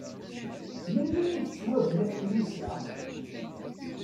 Melmi ay tettwabna teklizt-a?